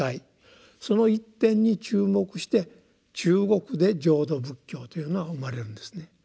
その一点に注目して中国で「浄土仏教」というのは生まれるんですね。